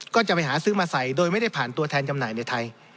ก็จะไปหาซื้อมาใส่โดยไม่ได้ผ่านตัวแทนจำหน่ายในไทย